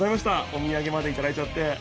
おみやげまでいただいちゃって。